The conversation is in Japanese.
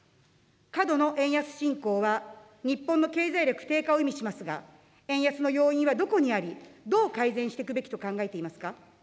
過度の円安進行は日本の経済力低下を意味しますが、円安の要因はどこにあり、どう改善していくべきと考えていますか。